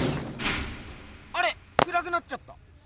あれ⁉くらくなっちゃった。